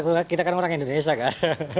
ya senang soalnya kita kan orang indonesia kan